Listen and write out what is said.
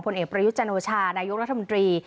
พลเอกประยุทธจันทรวชานายกรรธมนตรี